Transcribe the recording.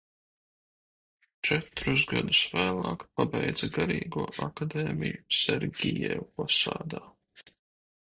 Četrus gadus vēlāk pabeidza garīgo akadēmiju Sergijevposadā.